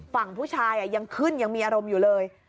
ฝั่งผู้ชายยังขึ้นยังมีอารมณ์อยู่เลย